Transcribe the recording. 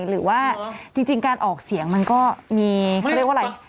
หรือว่าจริงการออกเสียงมันก็มีเขาเรียกว่าอะไร